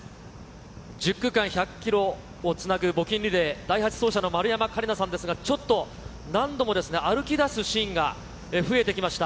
１０区間１００キロをつなぐ募金リレー、第８走者の丸山桂里奈さんですが、ちょっと、何度も歩きだすシーンが増えてきました。